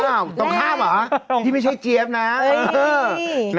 ตรงข้ามเหรอตรงที่ไม่ใช่เจี๊ยบนะ